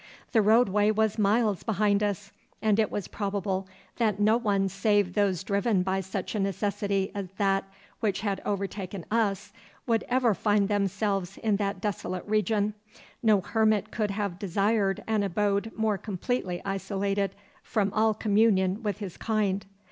The roadway was miles behind us, and it was probable that no one save those driven by such a necessity as that which had overtaken us would ever find themselves in that desolate region. No hermit could have desired an abode more completely isolated from all communion with his kind.